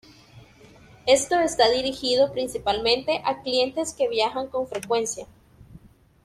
Esto está dirigido principalmente a clientes que viajan con frecuencia.